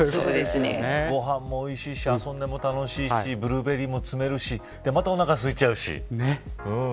ご飯もおいしいし遊んでも楽しいしブルーベリーも摘めるしまた、おなかすいちゃうし。